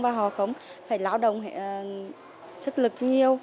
và họ không phải lão động sức lực nhiều